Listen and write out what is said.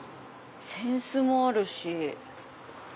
扇子もあるし。